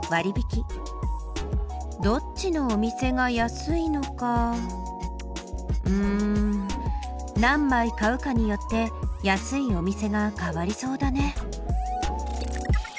どっちのお店が安いのかうん何枚買うかによって安いお店が変わりそうだね。